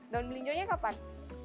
daun belinjonya kapan